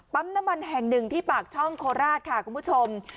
น้ำมันแห่งหนึ่งที่ปากช่องโคราชค่ะคุณผู้ชม